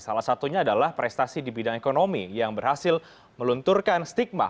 salah satunya adalah prestasi di bidang ekonomi yang berhasil melunturkan stigma